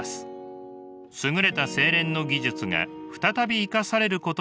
優れた製錬の技術が再び生かされることになったのです。